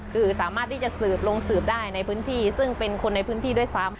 คือสามารถที่จะสืบลงสืบได้ในพื้นที่ซึ่งเป็นคนในพื้นที่ด้วยซ้ำ